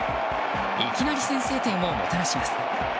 いきなり先制点をもたらします。